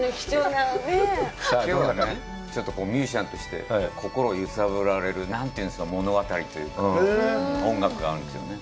きょうはね、ちょっとミュージシャンとして心を揺さぶられる、なんというんですか、物語というか、音楽があるんですよね。